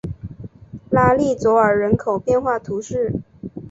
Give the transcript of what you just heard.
拉利佐尔人口变化图示